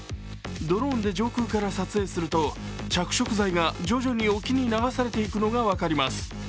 ドローンで上空から撮影すると、着色剤が徐々に沖に流されていくのが分かります。